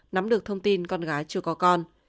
nắm được thông tin con gái chưa có con